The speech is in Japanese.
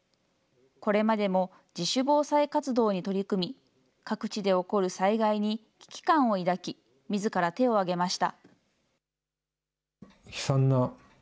これまでも自主防災活動に取り組み、各地で起こる災害に危機感を抱き、みずから手を挙げました。